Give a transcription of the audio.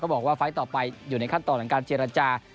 บอกว่าไฟล์ต่อไปอยู่ในขั้นตอนของการเจรจา